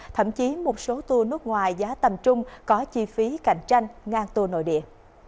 thậm chí một số tour nước ngoài giá tầm trung có chi phí cạnh tranh ngang tour nội địa